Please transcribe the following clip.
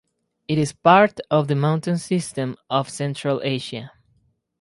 It is part of the mountain system of Central Asia.